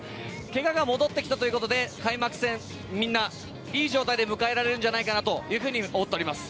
怪我が戻ってきたということでみんな開幕戦いい状態で迎えられるんじゃないかなと思っております。